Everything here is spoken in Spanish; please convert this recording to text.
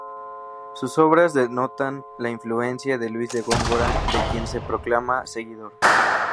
Sus obras denotan la influencia de Luis de Góngora, de quien se proclama seguidor.